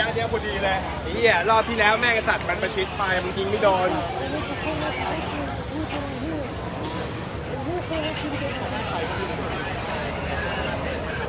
เนี้ยรอบที่แล้วแม่กันสัตว์มันมาชิดไปมันจริงไม่โดน